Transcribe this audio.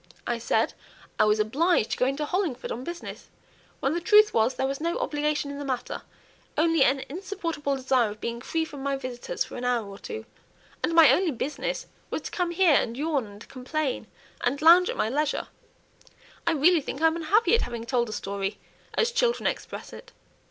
I said I 'was obliged to go into Hollingford on business,' when the truth was there was no obligation in the matter, only an insupportable desire of being free from my visitors for an hour or two, and my only business was to come here, and yawn, and complain, and lounge at my leisure. I really think I'm unhappy at having told a story, as children express it."